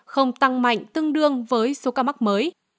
không tăng mạnh tương đương với số ca mắc mới